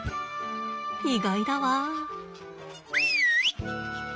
意外だわ。